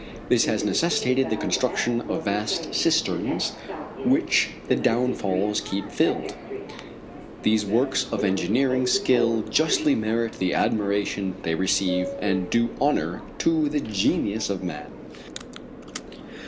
This has necessitated the construction of vast cisterns which the downfalls keep filled. These works of engineering skill justly merit the admiration they receive and do honor to the genius of man.